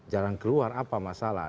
jarang keluar apa masalah